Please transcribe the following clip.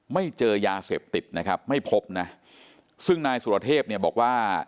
ไม่เจอยาเสพติดนะครับไม่พบนะซึ่งนายสุรเทพเนี่ยบอกว่า